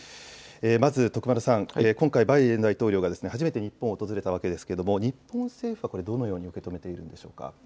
まず徳丸さん、今回、バイデン大統領が初めて日本を訪れたわけですが日本政府はどのように受け止めているんでしょうか。